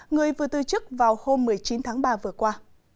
người vừa tư chức vào hôm một mươi chín tháng ba vừa qua